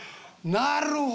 なるほど！